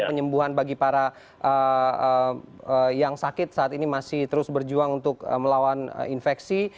penyembuhan bagi para yang sakit saat ini masih terus berjuang untuk melawan infeksi